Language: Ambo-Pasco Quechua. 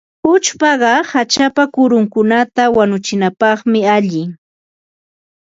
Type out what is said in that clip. Uchpaqa hachapa kurunkunata wanuchinapaq allinmi.